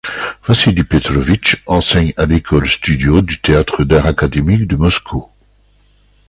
Vassili Petrovitch enseigne à l'École-studio du Théâtre d'Art académique de Moscou.